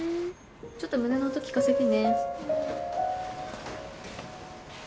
ちょっと胸の音聞かせてね。